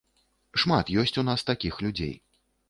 Шмат ёсць у нас такіх людзей.